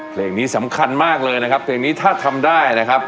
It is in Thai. เพลงนี้สำคัญมากเลยนะครับเพลงนี้ถ้าทำได้นะครับ